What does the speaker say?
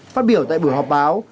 phát biểu tại bữa họp báo